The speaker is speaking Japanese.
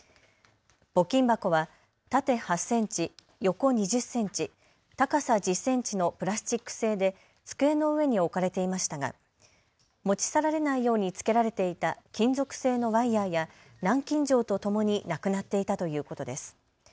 募金箱は縦８センチ、横２０センチ、高さ１０センチのプラスチック製で机の上に置かれていましたが持ち去られないように付けられていた金属製のワイヤーや南京錠とともになくなっていたということです。